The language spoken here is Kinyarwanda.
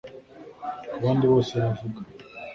kubandi bose bavuga